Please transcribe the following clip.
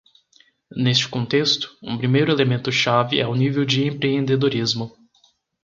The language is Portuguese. Neste contexto, um primeiro elemento chave é o nível de empreendedorismo.